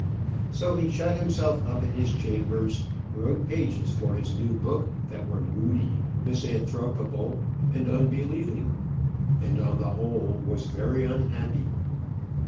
So he shut himself up in his chambers; wrote pages for his new book that were moody, misanthropical, and unbelieving; and on the whole was very unhappy.